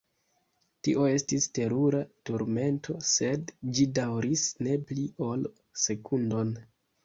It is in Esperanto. Tio estis terura turmento, sed ĝi daŭris ne pli ol sekundon.